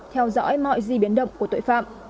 theo dõi mọi gì biến động của tội phạm